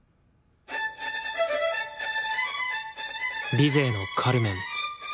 ビゼーの「カルメン」。